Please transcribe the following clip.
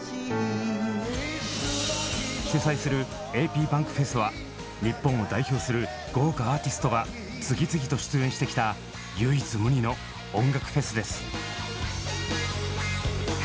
主催する「ａｐｂａｎｋｆｅｓ」は日本を代表する豪華アーティストが次々と出演してきた唯一無二の音楽フェスです。